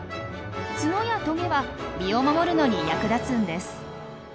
ツノやトゲは身を守るのに役立つんです。